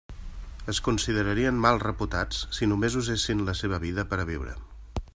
Es considerarien mal reputats si només usessin la seva vida per a viure.